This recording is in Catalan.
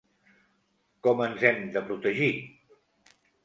Com ens hem de protegir?